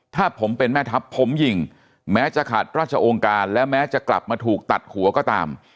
ถ้าผมเป็นแม่ทัพผมยิงแม้จะขาดราชองค์การและแม้จะกลับมาถูกตัดหัวก็ตาม